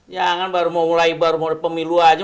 ya kan baru mau mulai pemilu aja